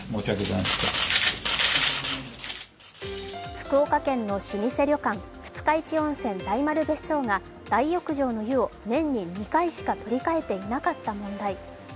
福岡県の老舗旅館二日市温泉・大丸別荘が大浴場の湯を年に２回しか取り替えていなかった問題。